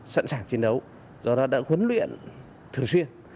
sẵn sàng chiến đấu do đó đã huấn luyện thường xuyên